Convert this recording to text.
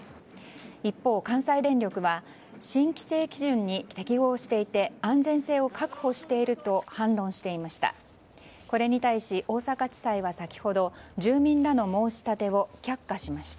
一方、関西電力は新規制基準に適合していて安全性を確保していると反論していました。